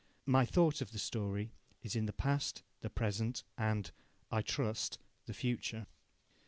My thought of the story is in the past, the present, and I trust the future.